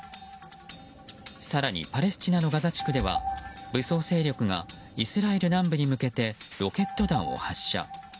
更に、パレスチナのガザ地区では武装勢力がイスラエル南部に向けてロケット弾を発射。